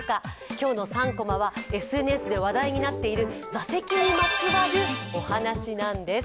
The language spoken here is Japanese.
今日の３コマはＳＮＳで話題になっている座席にまつわるお話なんです。